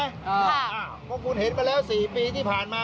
เพราะคุณเห็นมาแล้ว๔ปีที่ผ่านมา